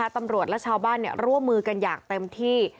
ตำรวจและชาวบ้านร่วมมือกันอย่างเต็มที่